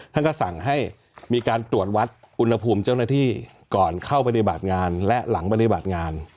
ท่านก็สั่งให้มีการตรวจวัดอุณหภูมิเจ้าหน้าที่ก่อนเข้าปฏิบัติงานและหลังปฏิบัติงาน